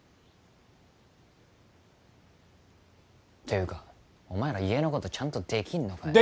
ていうかお前ら家のことちゃんとできんのかよ